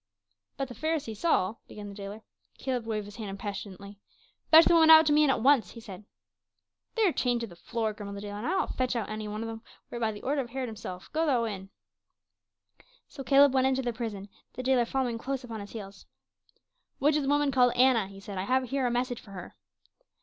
"But the Pharisee Saul " began the jailer. Caleb waved his hand impatiently. "Fetch the woman out to me and at once," he said. "They are chained to the floor," grumbled the jailer, "and I will not fetch out any one of them, were it by the order of Herod himself. Go thou in." So Caleb went into the prison, the jailer following close upon his heels. "Which is the woman called Anna?" he said. "I have here a message for her."